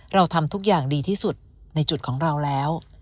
เราทำทุกอย่างดีที่สุดในจุดของเราแล้ว